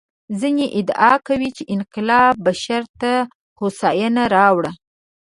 ځینې ادعا کوي چې انقلاب بشر ته هوساینه راوړه.